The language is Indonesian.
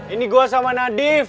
ini gue sama nadif